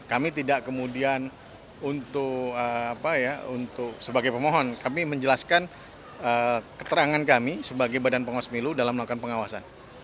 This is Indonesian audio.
kami tidak kemudian untuk sebagai pemohon kami menjelaskan keterangan kami sebagai badan pengawas pemilu dalam melakukan pengawasan